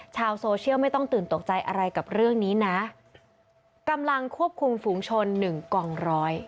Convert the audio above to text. ชาวโซเชียลไม่ต้องตื่นตกใจอะไรกับเรื่องนี้นะกำลังควบคุมฝูงชนหนึ่งกองร้อย